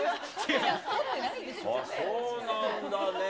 そうなんだね。